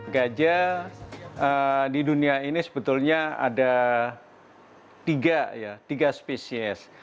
gajah di dunia ini sebetulnya ada tiga spesies